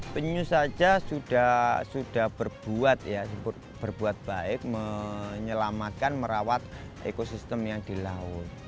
penyung saja sudah berbuat baik menyelamatkan merawat ekosistem yang di laut